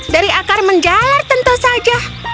dari akar menjalar tentu saja